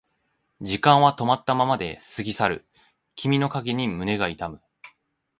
時間は止まったままで過ぎ去る君の影に胸が痛む